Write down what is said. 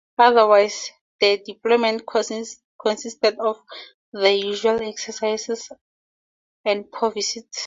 Otherwise, the deployment consisted of the usual exercises and port visits.